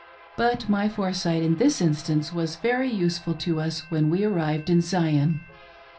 But my foresight in this instance was very useful to us when we arrived in Zion.